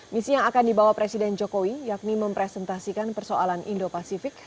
misi yang akan dibawa presiden jokowi yakni mempresentasikan persoalan indo pasifik